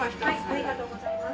ありがとうございます。